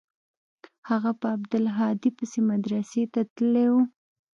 هغه په عبدالهادي پسې مدرسې ته تللى و.